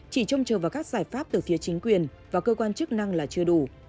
chỉ trông chờ vào các giải pháp từ phía chính quyền và cơ quan chức năng là chưa đủ